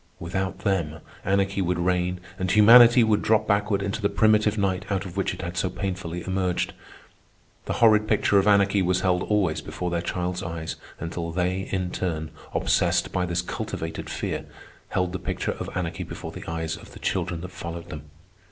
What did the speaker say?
Without them, anarchy would reign and humanity would drop backward into the primitive night out of which it had so painfully emerged. The horrid picture of anarchy was held always before their child's eyes until they, in turn, obsessed by this cultivated fear, held the picture of anarchy before the eyes of the children that followed them.